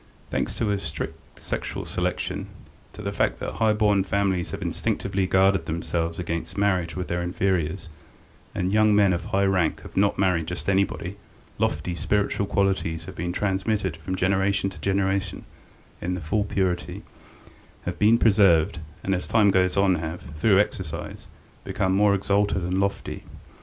Thanks to a strict sexual selection, to the fact that high born families have instinctively guarded themselves against marriage with their inferiors, and young men of high rank have not married just anybody, lofty, spiritual qualities have been transmitted from generation to generation in their full purity, have been preserved, and as time goes on have, through exercise, become more exalted and lofty.